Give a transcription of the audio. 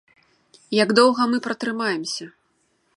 Як доўга мы пратрымаемся?